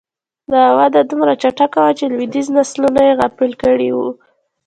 دا وده دومره چټکه وه چې لوېدیځ نسلونه یې غافل کړي وو